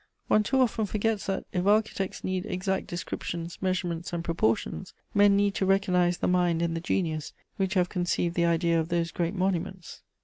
One too often forgets that, if architects need exact descriptions, measurements and proportions, men need to recognise the mind and the genius which have conceived the idea of those great monuments.